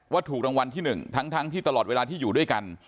ถูกรางวัลที่๑ทั้งที่ตลอดเวลาที่อยู่ด้วยกัน